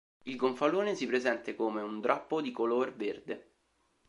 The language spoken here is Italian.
Il gonfalone si presente come un drappo di color verde.